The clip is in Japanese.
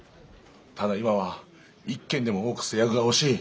ただ今は一件でも多く成約が欲しい！